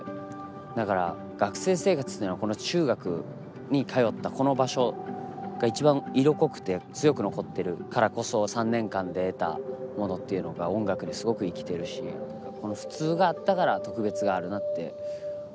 だから学生生活っていうのはこの中学に通ったこの場所が一番色濃くて強く残っているからこそ３年間で得たものっていうのが音楽にすごく生きてるしこの普通があったから特別があるなって思いますね。